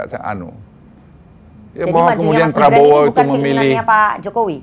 jadi majunya mas gibran ini bukan keinginannya pak jokowi